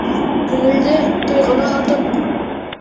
Күңелде, тойғоно һатып...